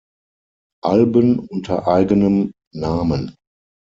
Alben unter eigenem Namen